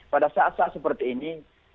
pada saat saat seperti ini